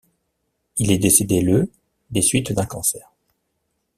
Il est décédé le des suites d'un cancer.